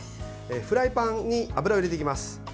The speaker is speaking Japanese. フライパンに油を入れていきます。